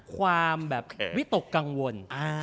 ความแบบวิตกกังวล